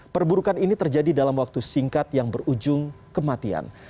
perburukan ini terjadi dalam waktu singkat yang berujung kematian